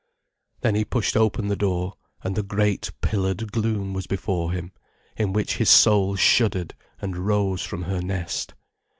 Then he pushed open the door, and the great, pillared gloom was before him, in which his soul shuddered and rose from her nest.